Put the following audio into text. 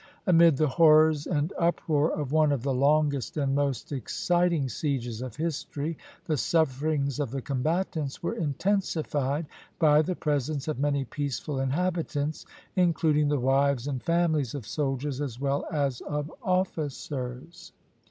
Amid the horrors and uproar of one of the longest and most exciting sieges of history, the sufferings of the combatants were intensified by the presence of many peaceful inhabitants, including the wives and families of soldiers as well as of officers.